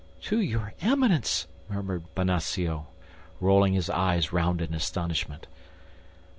"To your Eminence!" murmured Bonacieux, rolling his eyes round in astonishment.